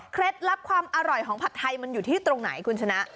ลับความอร่อยของผัดไทยมันอยู่ที่ตรงไหนคุณชนะ